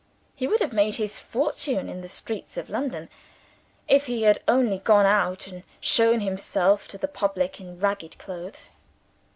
He would have made his fortune in the streets of London, if he had only gone out and shown himself to the public in ragged clothes.